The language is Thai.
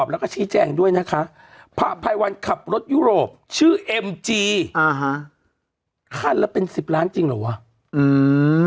ภาพายวันขับรถยุโรปชื่อเอ็มจีอ่าฮะค่านแล้วเป็นสิบล้านจริงหรอวะอืม